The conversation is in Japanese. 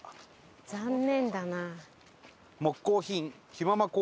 残念だな。